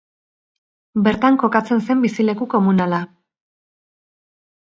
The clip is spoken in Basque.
Bertan kokatzen zen bizileku komunala.